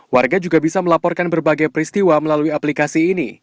warga juga bisa melaporkan berbagai peristiwa melalui aplikasi ini